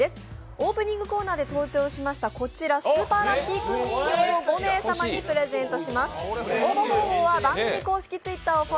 オープニングコーナーで登場しました、こちら、スーパーラッピー君人形を５名様にプレゼントします。